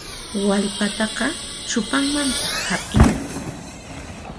Wallpataqa chupanmanta hap'ina.